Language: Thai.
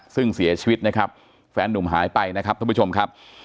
ซึ่งเสียชีวิตนะครับแฟนหนุ่มหายไปนะครับท่านผู้ชมครับ